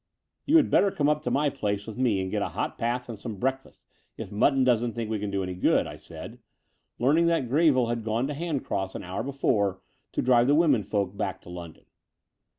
"You had better come up to my place with me and get a hot bath and some breakfast, if Mutton doesn't think we can do any good," I said, learning that Greville had gone to Handcross an hour before to drive the women folk back to London.